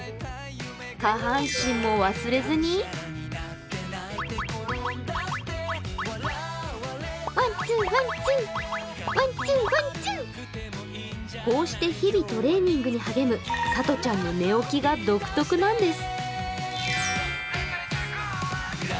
下半身も忘れずにこうして日々トレーニングに励むさとちゃんの寝顔が独特なんです。